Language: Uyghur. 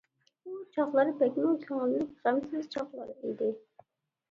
ئۇ چاغلار بەكمۇ كۆڭۈللۈك، غەمسىز چاغلار ئىدى.